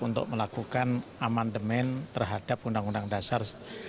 untuk melakukan amandemen terhadap undang undang dasar